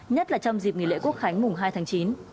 nhất là trong dịp nghỉ lễ quốc khánh mùng hai tháng chín